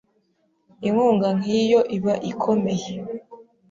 Inkunga nk’iyo iba ikomeye.